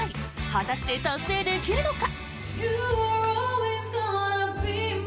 果たして達成できるのか？